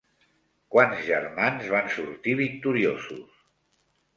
Quants germans van sortir victoriosos?